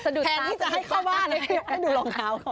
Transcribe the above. แทนที่จะให้เข้าบ้านให้ดูรองเท้าเขา